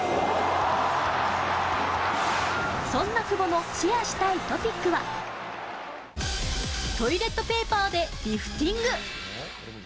そんな久保のシェアしたいトピックは、トイレットペーパーでリフティング。